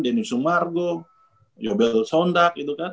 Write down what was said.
denny sumargo yobel sondak gitu kan